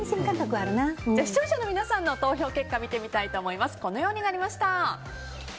視聴者の皆さんの投票結果見てみたいと思います。